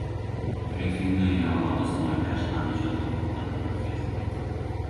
Brifingmi yo «og‘iz moylash»? — Andijon hokimi tadbir o‘tkazdi...